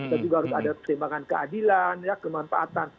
kita juga harus ada perseimbangan keadilan kemanfaatan